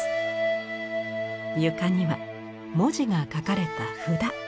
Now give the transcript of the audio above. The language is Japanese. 床には文字が書かれた札。